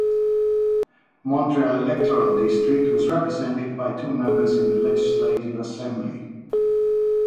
Montreal electoral district was represented by two members in the Legislative Assembly.